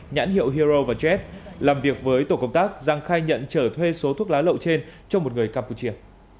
nhãn hiệu hero và jet làm việc với tổ công tác giang khai nhận trở thuê số thuốc lá lậu trên cho một người campuchia